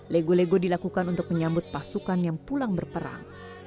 lego lego dilakukan untuk menyambut pasukan yang pulang berperang